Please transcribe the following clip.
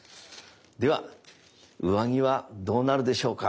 では上着はどうなるでしょうか？